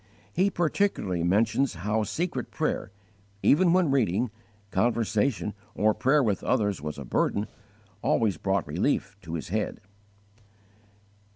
He particularly mentions how secret prayer, even when reading, conversation, or prayer with others was a burden, _always brought relief to his head.